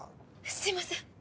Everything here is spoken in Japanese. すいません。